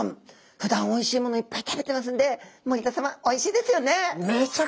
ふだんおいしいものいっぱい食べてますんで森田さまおいしいですよね？